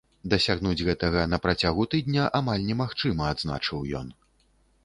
Дасягнуць гэтага на працягу тыдня амаль немагчыма, адзначыў ён.